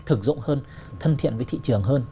thực rộng hơn thân thiện với thị trường hơn